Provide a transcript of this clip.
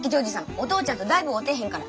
お父ちゃんとだいぶ会うてへんから。